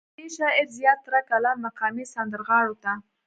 ددې شاعر زيات تره کلام مقامي سندرغاړو ته